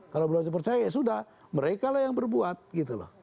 kalau belum dipercaya ya sudah mereka lah yang berbuat gitu loh